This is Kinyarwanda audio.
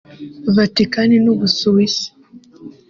Vatican n’u Busuwisi